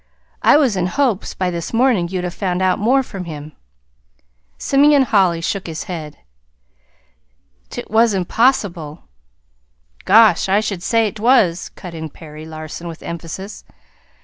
I was in hopes, by this morning, you'd have found out more from him." Simeon Holly shook his head. "'T was impossible." "Gosh! I should say 't was," cut in Perry Larson, with emphasis.